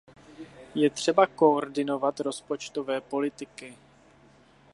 Je třeba koordinovat rozpočtové politiky.